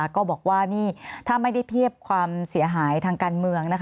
ก็บอกว่านี่ถ้าไม่ได้เทียบความเสียหายทางการเมือง